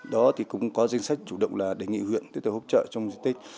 đó cũng có danh sách chủ động là đề nghị huyện tiếp tục hỗ trợ trong dịch tích